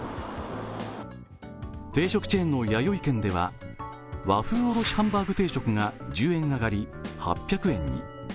定食チェーンのやよい軒では和風おろしハンバーグ定食が１０円上がり８００円に。